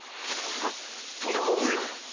とんだご無礼を！